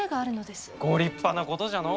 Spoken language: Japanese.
ご立派なことじゃのう。